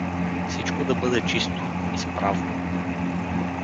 Всичко да бъде чисто, изправно.